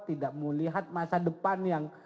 tidak melihat masa depan yang